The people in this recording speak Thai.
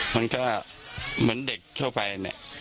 มันก็เหมือนเด็กเท่าไหร่